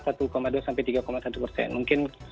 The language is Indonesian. satu dua sampai tiga satu persen mungkin